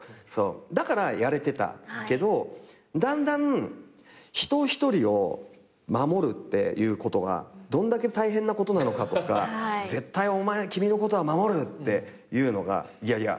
だからやれてたけどだんだん人ひとりを守るっていうことがどんだけ大変なことなのかとか「絶対君のことは守る」っていうのがいやいや